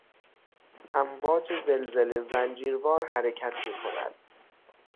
امواج زلزله زنجیروار حرکت میکند.